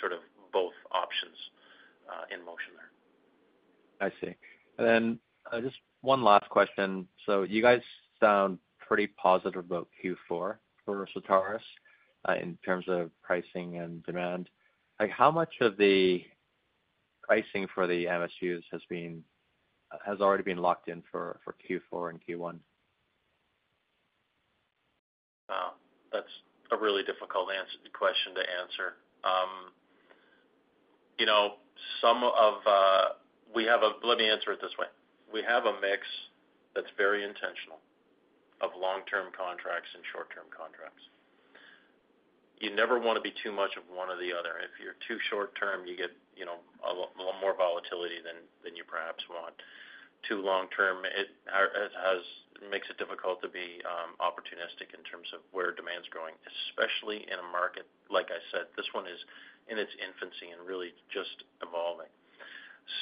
sort of both options in motion there. I see. Then, just one last question. So you guys sound pretty positive about Q4 for Certarus, in terms of pricing and demand. Like, how much of the pricing for the MSUs has been, has already been locked in for, for Q4 and Q1? Wow, that's a really difficult answer, question to answer. You know, some of. We have a. Let me answer it this way. We have a mix that's very intentional of long-term contracts and short-term contracts. You never want to be too much of one or the other. If you're too short-term, you get, you know, a lot, little more volatility than, than you perhaps want. Too long-term, it, it has, makes it difficult to be, opportunistic in terms of where demand's going, especially in a market like I said, this one is in its infancy and really just evolving.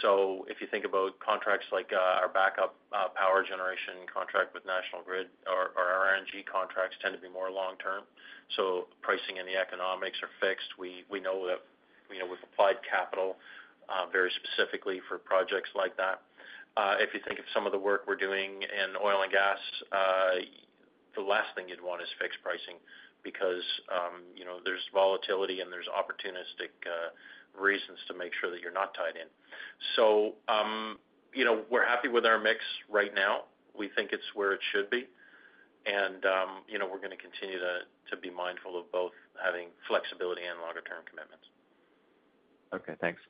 So if you think about contracts like, our backup, power generation contract with National Grid, our RNG contracts tend to be more long-term, so pricing and the economics are fixed. We know that, you know, we've applied capital very specifically for projects like that. If you think of some of the work we're doing in oil and gas, the last thing you'd want is fixed pricing, because, you know, there's volatility and there's opportunistic reasons to make sure that you're not tied in. So, you know, we're happy with our mix right now. We think it's where it should be, and, you know, we're gonna continue to be mindful of both having flexibility and longer-term commitments. Okay, thanks.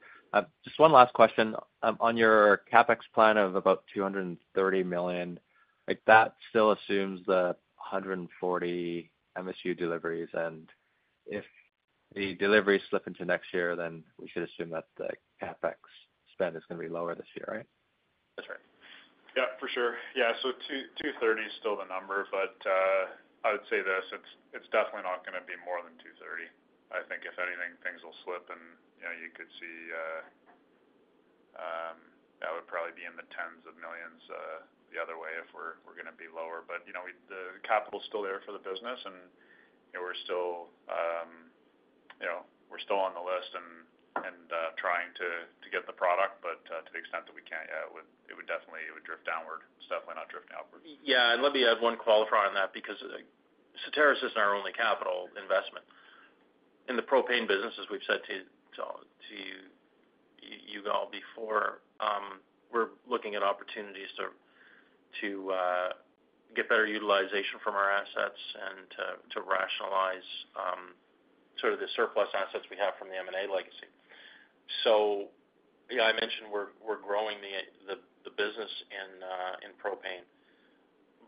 Just one last question. On your CapEx plan of about 230 million, like that still assumes the 140 MSU deliveries, and if the deliveries slip into next year, then we should assume that the CapEx spend is gonna be lower this year, right? That's right. Yeah, for sure. Yeah, so 230 is still the number, but I would say this, it's definitely not gonna be more than 230. I think if anything, things will slip, and, you know, you could see, that would probably be in the tens of millions, the other way if we're gonna be lower. But, you know, the capital's still there for the business, and, you know, we're still, you know, we're still on the list and, and trying to get the product. To the extent that we can, yeah, it would definitely, it would drift downward. It's definitely not drifting upward. Yeah, and let me add one qualifier on that, because Certarus isn't our only capital investment. In the propane business, as we've said to you all before, we're looking at opportunities to get better utilization from our assets and to rationalize sort of the surplus assets we have from the M&A legacy. So, you know, I mentioned we're growing the business in propane,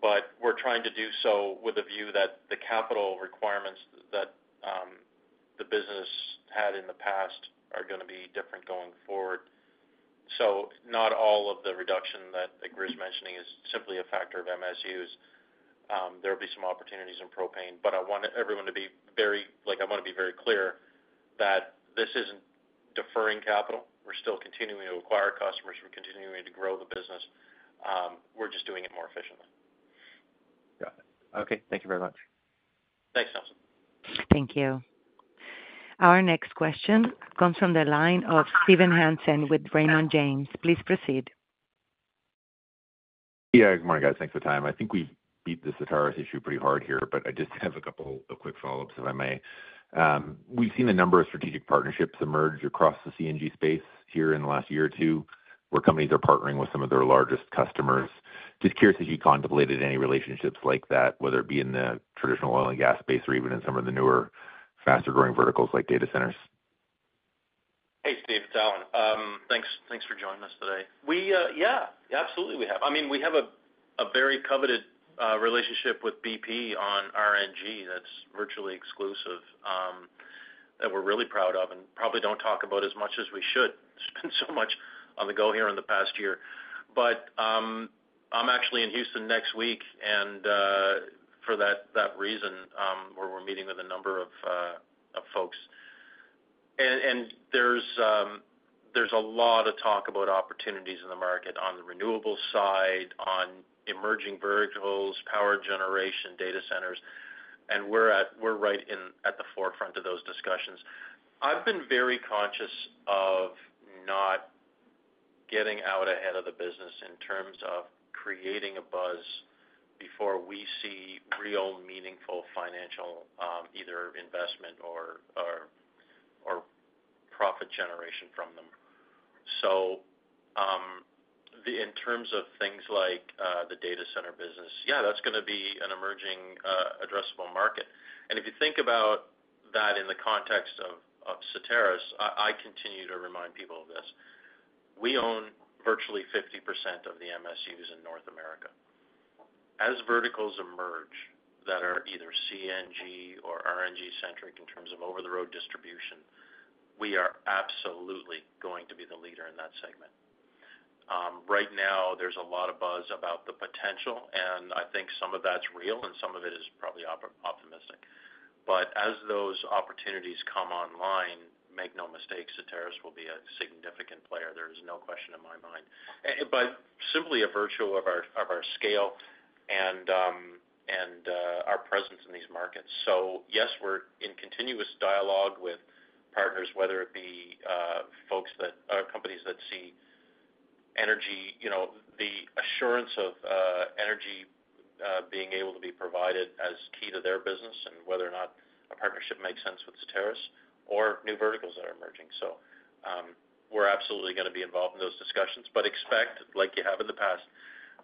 but we're trying to do so with a view that the capital requirements that the business had in the past are gonna be different going forward. So not all of the reduction that Grier mentioning is simply a factor of MSUs. There will be some opportunities in propane, but I want everyone to be very, like, I wanna be very clear that this isn't deferring capital. We're still continuing to acquire customers. We're continuing to grow the business. We're just doing it more efficiently. Got it. Okay, thank you very much. Thanks, Nelson. Thank you. Our next question comes from the line of Steven Hansen with Raymond James. Please proceed. Yeah, good morning, guys. Thanks for the time. I think we've beat the Certarus issue pretty hard here, but I just have a couple of quick follow-ups, if I may. We've seen a number of strategic partnerships emerge across the CNG space here in the last year or two, where companies are partnering with some of their largest customers. Just curious if you contemplated any relationships like that, whether it be in the traditional oil and gas space or even in some of the newer, faster growing verticals like data centers? Hey, Steve, it's Allan. Thanks, thanks for joining us today. We, yeah, absolutely, we have. I mean, we have a very coveted relationship with BP on RNG that's virtually exclusive, that we're really proud of and probably don't talk about as much as we should. Spend so much on the go here in the past year. But, I'm actually in Houston next week, and for that reason, where we're meeting with a number of folks. And there's a lot of talk about opportunities in the market on the renewable side, on emerging verticals, power generation, data centers, and we're right in at the forefront of those discussions. I've been very conscious of not getting out ahead of the business in terms of creating a buzz before we see real, meaningful financial, either investment or profit generation from them. So, in terms of things like, the data center business, yeah, that's gonna be an emerging, addressable market. And if you think about that in the context of, of Certarus, I continue to remind people of this: We own virtually 50% of the MSUs in North America. As verticals emerge that are either CNG or RNG centric in terms of over-the-road distribution, we are absolutely going to be the leader in that segment. Right now, there's a lot of buzz about the potential, and I think some of that's real and some of it is probably optimistic. But as those opportunities come online, make no mistake, Certarus will be a significant player. There is no question in my mind. But simply a virtue of our, of our scale and our presence in these markets. So yes, we're in continuous dialogue with partners, whether it be folks that, or companies that see energy, you know, the assurance of energy being able to be provided as key to their business and whether or not a partnership makes sense with Certarus or new verticals that are emerging. So we're absolutely gonna be involved in those discussions, but expect, like you have in the past,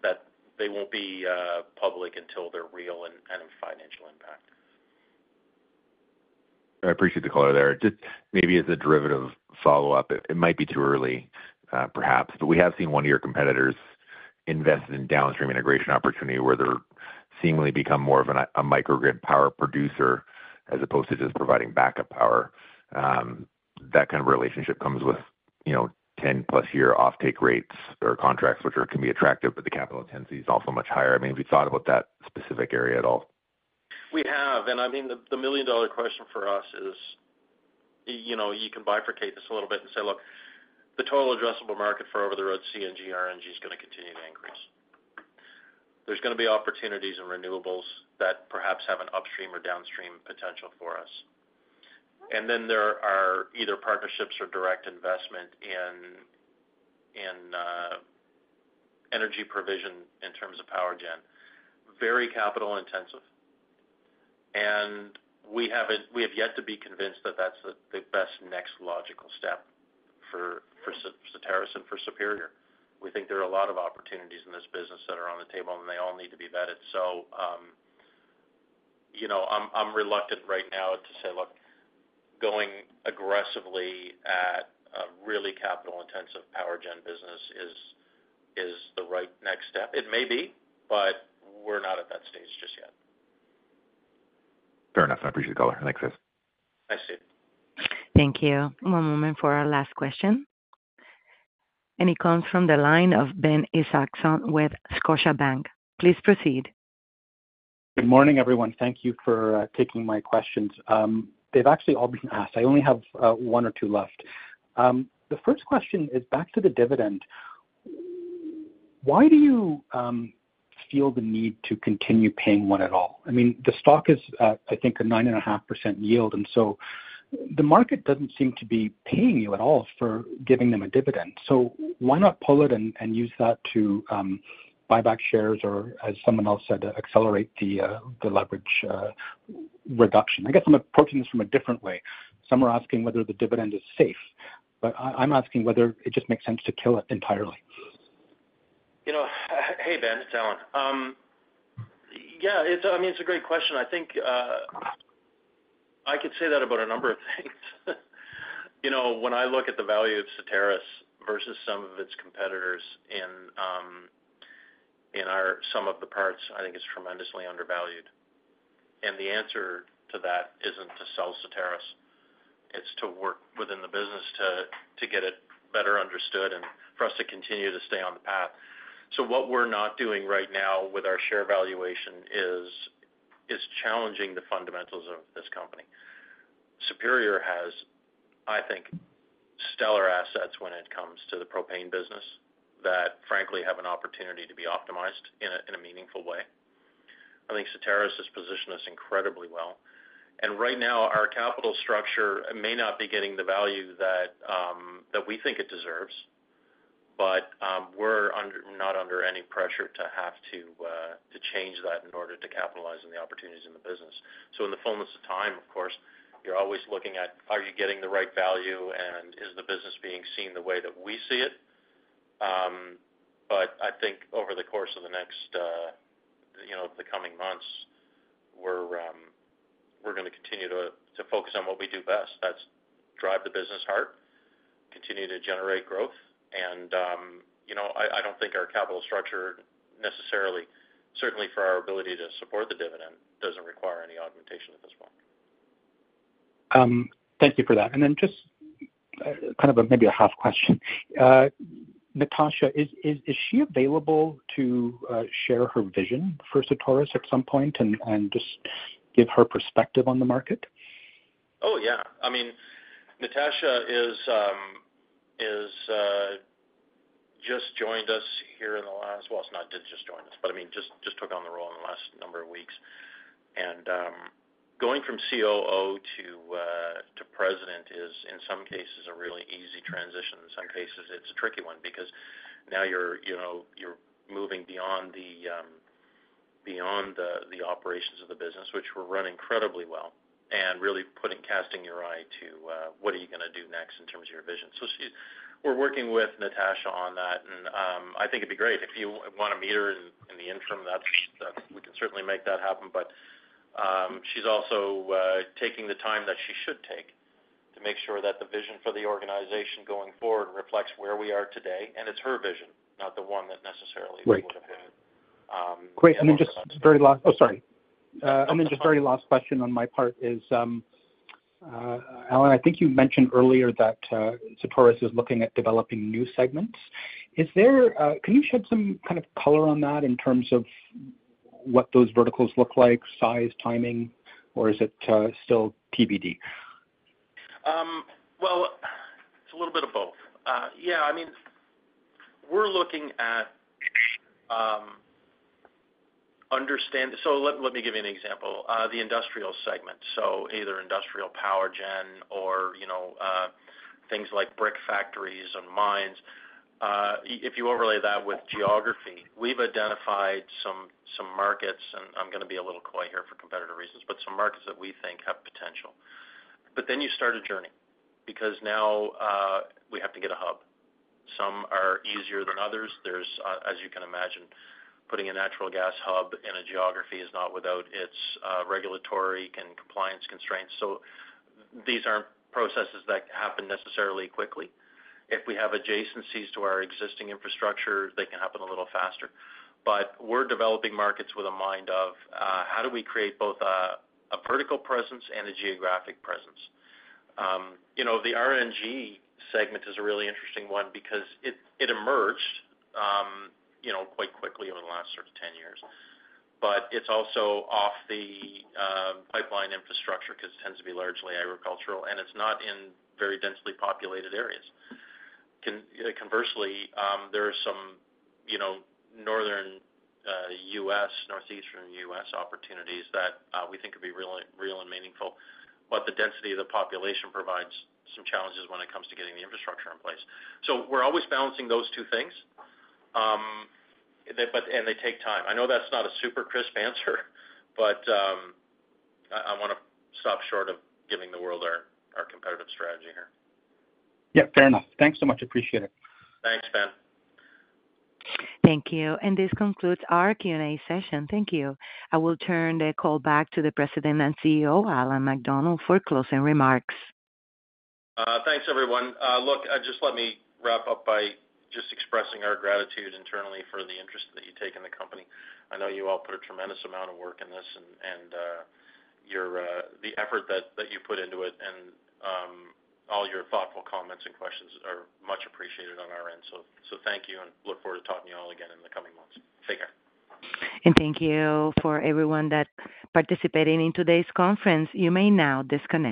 that they won't be public until they're real and in financial impact. I appreciate the color there. Just maybe as a derivative follow-up, it might be too early, perhaps, but we have seen one of your competitors invest in downstream integration opportunity, where they're seemingly become more of an a microgrid power producer as opposed to just providing backup power. That kind of relationship comes with, you know, 10-plus year offtake rates or contracts, which are, can be attractive, but the capital intensity is also much higher. I mean, have you thought about that specific area at all? We have, and I mean, the million-dollar question for us is, you know, you can bifurcate this a little bit and say, look, the total addressable market for over-the-road CNG, RNG is gonna continue to increase. There's gonna be opportunities in renewables that perhaps have an upstream or downstream potential for us. And then there are either partnerships or direct investment in, in, energy provision in terms of power gen. Very capital intensive, and we haven't, we have yet to be convinced that that's the best next logical step for, for Certarus and for Superior. We think there are a lot of opportunities in this business that are on the table, and they all need to be vetted. So, you know, I'm reluctant right now to say, look, going aggressively at a really capital-intensive power gen business is the right next step. It may be, but we're not at that stage just yet. Fair enough. I appreciate the color. Thanks, guys. Thanks, Steve. Thank you. One moment for our last question, and it comes from the line of Ben Isaacson with Scotiabank. Please proceed. Good morning, everyone. Thank you for taking my questions. They've actually all been asked. I only have 1 or 2 left. The first question is back to the dividend. Why do you feel the need to continue paying one at all? I mean, the stock is, I think, a 9.5% yield, and so the market doesn't seem to be paying you at all for giving them a dividend. So why not pull it and use that to buy back shares or, as someone else said, accelerate the leverage reduction? I guess I'm approaching this from a different way. Some are asking whether the dividend is safe. But I'm asking whether it just makes sense to kill it entirely? You know, hey, Ben, it's Allan. Yeah, it's, I mean, it's a great question. I think, I could say that about a number of things. You know, when I look at the value of Certarus versus some of its competitors in, in our-- some of the parts, I think is tremendously undervalued. And the answer to that isn't to sell Certarus, it's to work within the business to, to get it better understood and for us to continue to stay on the path. So what we're not doing right now with our share valuation is, is challenging the fundamentals of this company. Superior has, I think, stellar assets when it comes to the propane business, that frankly, have an opportunity to be optimized in a, in a meaningful way. I think Certarus is positioned us incredibly well. Right now, our capital structure may not be getting the value that, that we think it deserves, but, we're not under any pressure to have to, to change that in order to capitalize on the opportunities in the business. So in the fullness of time, of course, you're always looking at, are you getting the right value, and is the business being seen the way that we see it? But I think over the course of the next, you know, the coming months, we're, we're gonna continue to, to focus on what we do best. That's drive the business hard, continue to generate growth, and, you know, I, I don't think our capital structure necessarily, certainly for our ability to support the dividend, doesn't require any augmentation at this point. Thank you for that. And then just kind of a maybe a half question. Natasha, is she available to share her vision for Certarus at some point and just give her perspective on the market? Oh, yeah. I mean, Natasha is just joined us here in the last... Well, it's not did just join us, but I mean, just, just took on the role in the last number of weeks. And, going from COO to, to president is, in some cases, a really easy transition. In some cases, it's a tricky one, because now you're, you know, you're moving beyond the, beyond the, the operations of the business, which we're run incredibly well, and really putting, casting your eye to, what are you gonna do next in terms of your vision. So she, we're working with Natasha on that, and, I think it'd be great if you wanna meet her in, in the interim, that's, we can certainly make that happen. But, she's also taking the time that she should take to make sure that the vision for the organization going forward reflects where we are today, and it's her vision, not the one that necessarily we would have had. Right. Great. Oh, sorry. And then just very last question on my part is, Allan, I think you mentioned earlier that Certarus is looking at developing new segments. Is there... Can you shed some kind of color on that in terms of what those verticals look like, size, timing, or is it still TBD? Well, it's a little bit of both. Yeah, I mean, we're looking at, So let me give you an example. The industrial segment, so either industrial power gen or, you know, things like brick factories and mines. If you overlay that with geography, we've identified some markets, and I'm gonna be a little coy here for competitive reasons, but some markets that we think have potential. But then you start a journey, because now, we have to get a hub. Some are easier than others. There's, as you can imagine, putting a natural gas hub in a geography is not without its regulatory and compliance constraints, so these aren't processes that happen necessarily quickly. If we have adjacencies to our existing infrastructure, they can happen a little faster. But we're developing markets with a mind of, how do we create both a, a vertical presence and a geographic presence? You know, the RNG segment is a really interesting one because it, it emerged, you know, quite quickly over the last sort of 10 years. But it's also off the, pipeline infrastructure because it tends to be largely agricultural, and it's not in very densely populated areas. Conversely, there are some, you know, northern U.S. northeastern U.S. opportunities that, we think could be really real and meaningful, but the density of the population provides some challenges when it comes to getting the infrastructure in place. So we're always balancing those two things. But and they take time. I know that's not a super crisp answer, but I wanna stop short of giving the world our competitive strategy here. Yeah, fair enough. Thanks so much. Appreciate it. Thanks, Ben. Thank you. This concludes our Q&A session. Thank you. I will turn the call back to the President and CEO, Allan MacDonald, for closing remarks. Thanks, everyone. Look, just let me wrap up by just expressing our gratitude internally for the interest that you take in the company. I know you all put a tremendous amount of work in this and, your, the effort that you put into it and, all your thoughtful comments and questions are much appreciated on our end. So, thank you, and look forward to talking to you all again in the coming months. Take care. Thank you for everyone that participating in today's conference. You may now disconnect.